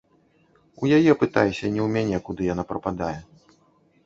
У яе пытайся, а не ў мяне, куды яна прападае.